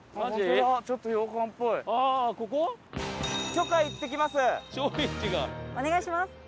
お願いします。